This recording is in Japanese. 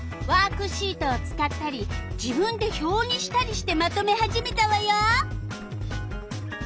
ワークシートを使ったり自分で表にしたりしてまとめ始めたわよ！